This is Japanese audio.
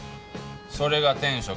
それが天職。